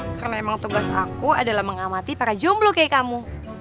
karena emang tugas aku adalah mengamati para jomblo kayak kamu